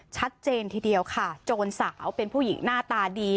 ชัดเจนทีเดียวค่ะโจรสาวเป็นผู้หญิงหน้าตาดี